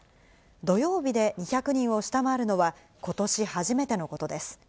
土曜日で２００人を下回るのは、ことし初めてのことです。